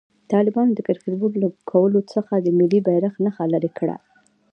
طالبانو د کرکټ بورډ له لوګو څخه د ملي بيرغ نخښه لېري کړه.